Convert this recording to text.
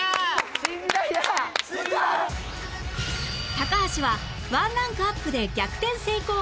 高橋は１ランクアップで逆転成功